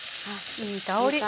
いい香り！